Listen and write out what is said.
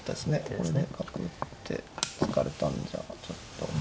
これで角打って突かれたんじゃちょっと。